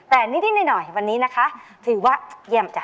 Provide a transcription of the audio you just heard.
แต่นิดหน่อยวันนี้นะคะถือว่าเยี่ยมจ้